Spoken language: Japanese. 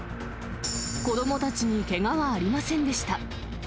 子どもたちにけがはありませんでした。